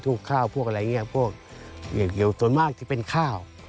พวกข้าวพวกอะไรอย่างนี้พวกอย่างเดียวส่วนมากที่เป็นข้าว